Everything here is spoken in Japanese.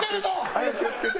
あゆ気を付けて。